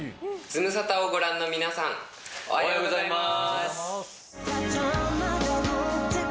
ズムサタをご覧の皆さん、おはようございます。